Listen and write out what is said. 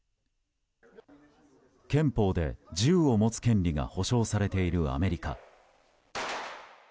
憲法で銃を持つ権利が保障されているアメリカ。